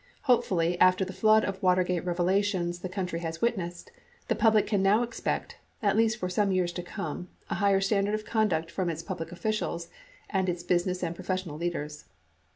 Hopefully, after the flood of Watergate revelations the country has witnessed, the public can now expect, at least for some years to come, a higher standard of conduct from its public officials and its business and professional leaders.